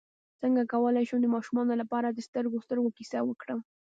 څنګه کولی شم د ماشومانو لپاره د سترګو سترګو کیسه وکړم